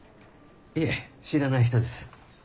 いえ知らない人です。